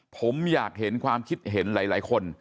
ผมอยากเห็นความคิดเห็นหลายคน